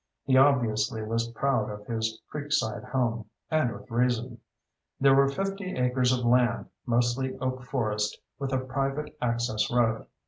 He obviously was proud of his creekside home, and with reason. There were fifty acres of land, mostly oak forest, with a private access road.